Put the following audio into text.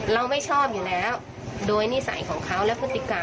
เราไม่ชอบอยู่แล้วโดยนิสัยของเขาและพฤติกรรม